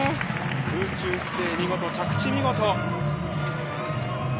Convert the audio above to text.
空中姿勢、見事、着地見事。